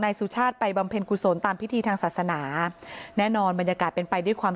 สุชาติไปบำเพ็ญกุศลตามพิธีทางศาสนาแน่นอนบรรยากาศเป็นไปด้วยความ